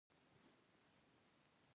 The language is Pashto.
په راتلونکو کلونو کې به نور هم فارغ شي.